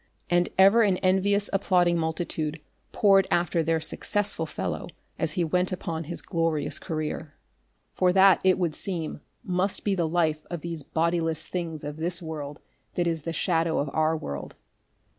And ever an envious applauding multitude poured after their successful fellow as he went upon his glorious career. For that, it would seem, must be the life of these bodiless things of this world that is the shadow of our world.